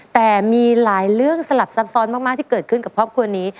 แต่มีหลายเรื่องสลับซับซ้อนมากที่เกิดขึ้นกับครอบครัวนี้